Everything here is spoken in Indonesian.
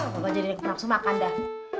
bukan jadi gua langsung makan dah